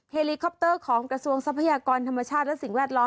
เฮลิคอปเตอร์ของกระทรวงทรัพยากรธรรมชาติและสิ่งแวดล้อม